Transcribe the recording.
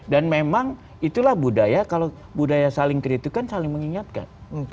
dan memang itulah budaya kalau budaya saling kritik kan saling mengingatkan